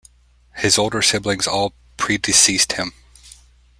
His older siblings all predeceased him.